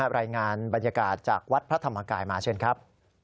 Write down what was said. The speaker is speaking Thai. รายงานบรรยากาศจากวัดพระธรรมกายมาเชิญครับ